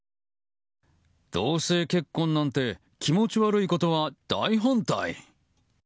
同性結婚なんて気持ち悪いことは大反対。